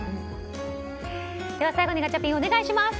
最後にガチャピン、お願いします。